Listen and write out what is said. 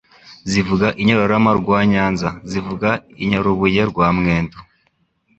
Zivuga Inyarurama rwa NyanzaZivuga Inyarubuye rwa Mwendo